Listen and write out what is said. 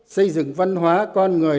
xây dựng văn hóa con người